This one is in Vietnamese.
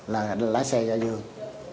là lái xe cho dương